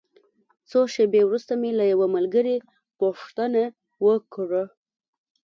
څو شېبې وروسته مې له یوه ملګري پوښتنه وکړه.